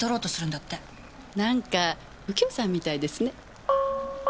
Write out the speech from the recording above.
なんか右京さんみたいですね。